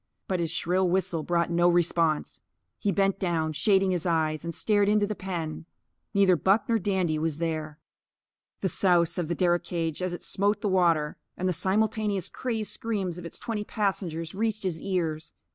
But his shrill whistle brought no response. He bent down, shading his eyes; and stared into the pen. Neither Buck nor Dandy was there. The souse of the derrick cage as it smote the water, and the simultaneous crazed screams of its twenty passengers, reached his ears.